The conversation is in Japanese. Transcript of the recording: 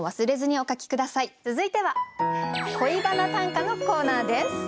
続いては「恋バナ短歌」のコーナーです。